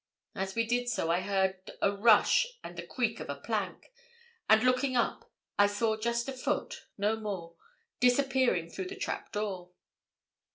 As we did so I heard a rush and the creak of a plank, and looking up, I saw just a foot no more disappearing through the trap door.